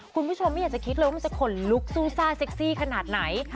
คุณผู้ชมไม่อยากจะคิดเลยว่ามันจะขนลุกสู้ซ่าเซ็กซี่ขนาดไหน